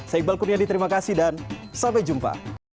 saya iqbal kurniadi terima kasih dan sampai jumpa